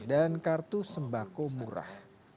dan kartu sembako murah